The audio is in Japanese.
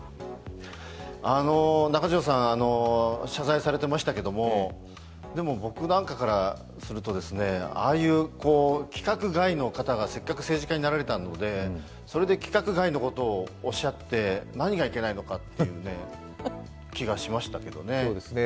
中条さん、謝罪されていましたけれども、でも僕なんかからするとですねああいう規格外の方がせっかく政治家になられたのでそれで規格外のことをおっしゃって何がいけないのかという気がしましたけれどもね。